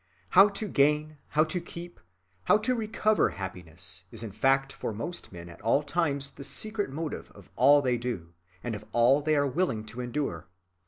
How to gain, how to keep, how to recover happiness, is in fact for most men at all times the secret motive of all they do, and of all they are willing to endure.